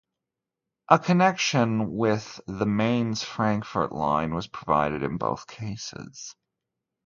A connection with the Mainz-Frankfurt line was provided in both cases.